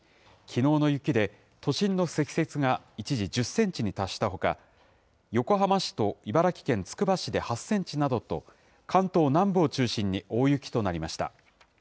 きのうの雪で都心の積雪が一時１０センチに達したほか、横浜市と茨城県つくば市で８センチなどと、関東南部を中心に大雪となりました。